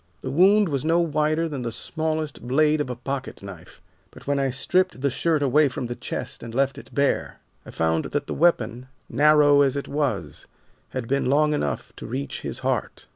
The wound was no wider than the smallest blade of a pocket knife, but when I stripped the shirt away from the chest and left it bare, I found that the weapon, narrow as it was, had been long enough to reach his heart.